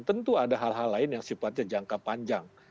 tentu ada hal hal lain yang sifatnya jangka panjang